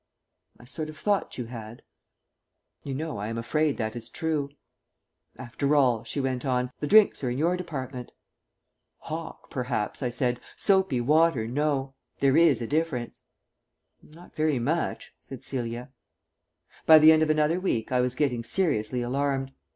"I sort of thought you had." You know, I am afraid that is true. "After all," she went on, "the drinks are in your department." "Hock, perhaps," I said; "soapy water, no. There is a difference." "Not very much," said Celia. By the end of another week I was getting seriously alarmed.